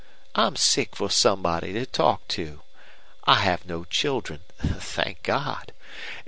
I'm sick for somebody to talk to. I have no children, thank God!